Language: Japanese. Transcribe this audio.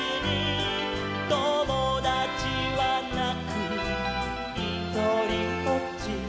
「ともだちはなくひとりぽっち」